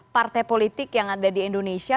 partai politik yang ada di indonesia